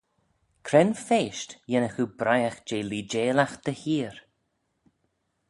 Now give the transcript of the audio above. Cre'n feysht yinnagh oo briaght jeh leeideilagh dty 'heer?